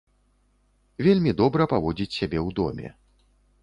Вельмі добра паводзіць сябе ў доме.